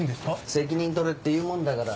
責任取れって言うもんだから。